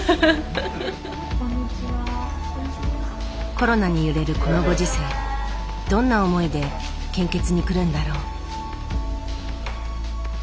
コロナに揺れるこのご時世どんな思いで献血に来るんだろう。